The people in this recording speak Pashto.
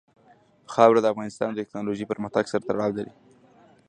خاوره د افغانستان د تکنالوژۍ پرمختګ سره تړاو لري.